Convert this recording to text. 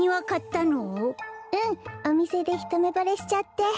うんおみせでひとめぼれしちゃって。